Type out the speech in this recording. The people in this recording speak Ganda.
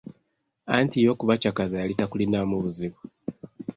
Anti ye okubacakaza yali takulinamu buzibu.